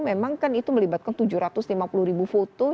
jadi memang kan itu melibatkan tujuh ratus lima puluh ribu foto